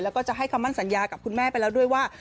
แล้วก็จะให้คำมั่นสัญญากับคุณแม่ไปแล้วด้วยว่า